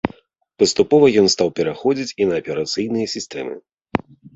Паступова ён стаў пераходзіць і на аперацыйныя сістэмы.